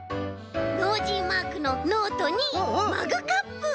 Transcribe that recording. ノージーマークのノートにマグカップ！